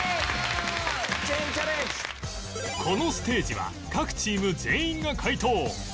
このステージは各チーム全員が解答